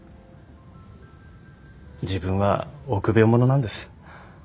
自分は臆病者なんです。